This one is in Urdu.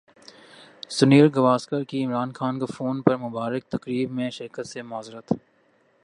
سنیل گواسکر کی عمران خان کو فون پر مبارکبادتقریب میں شرکت سے معذرت